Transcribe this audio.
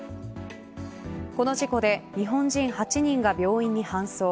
この事故で日本人８人が病院に搬送。